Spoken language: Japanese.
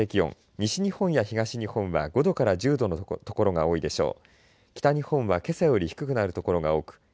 西日本や東日本は５度から１０度の所が多いでしょう。